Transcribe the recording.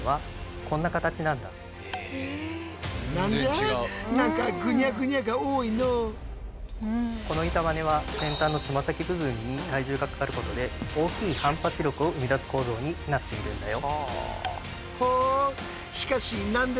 一方僕たちがこの板バネは先端のつま先部分に体重がかかることで大きい反発力を生み出す構造になっているんだよ。